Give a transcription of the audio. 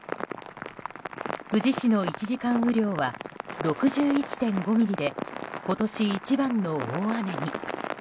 富士市の１時間雨量は６１．５ミリで今年一番の大雨に。